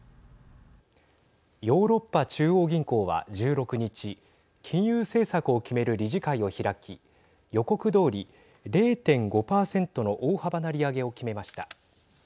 ヨーロッパ中央銀行は１６日金融政策を決める理事会を開き予告どおり０．５％の大幅な利上げを決めました。